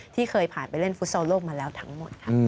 ที่เคยผ่านไปเล่นฟุตซอลโลกมาแล้วทั้งหมดค่ะ